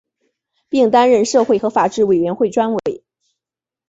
并担任社会和法制委员会专委。